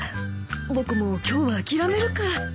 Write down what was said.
僕も今日は諦めるか。